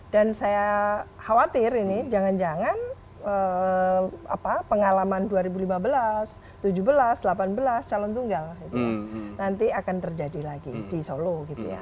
dan saya khawatir ini jangan jangan pengalaman dua ribu lima belas dua ribu tujuh belas dua ribu delapan belas calon tunggal nanti akan terjadi lagi di solo